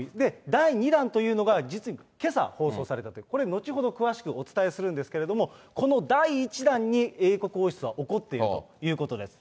第２弾というのがけさ放送されたということで、詳しくお伝えするんですけれども、この第１弾に英国王室は怒っているということです。